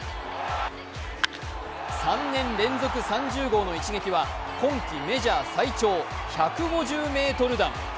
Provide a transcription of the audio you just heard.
３年連続３０号の一撃は今季メジャー最長１５０ｍ弾。